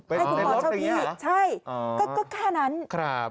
ให้คุณหมอเช่าที่ใช่ก็แค่นั้นครับ